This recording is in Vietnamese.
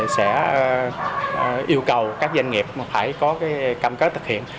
sẽ yêu cầu các doanh nghiệp phải có cam kết thực hiện